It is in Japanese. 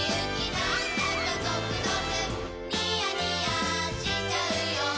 なんだかゾクゾクニヤニヤしちゃうよ